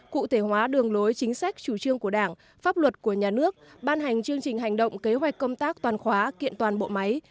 cụ thể hóa đường lối chính sách chủ trương của đảng pháp luật của nhà nước ban hành chương trình hành động kế hoạch công tác toàn khóa kiện toàn bộ máy